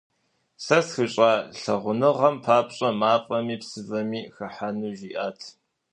Сэ схуищӏа лъагъуныгъэм папщӏэ мафӏэми псывэми хыхьэну жиӏат…